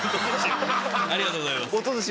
ありがとうございます。